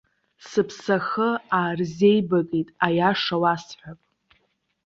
Сыԥсахы аарзеибакит, аиаша уасҳәап.